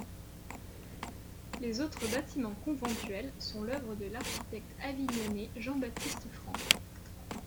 Les autres bâtiments conventuels sont l’œuvre de l'architecte avignonnais Jean-Baptiste Franque.